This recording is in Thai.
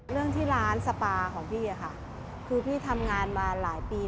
เรื่องที่ร้านสปาของพี่อะค่ะคือพี่ทำงานมาหลายปี